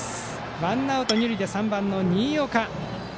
ワンアウト二塁で３番の新岡。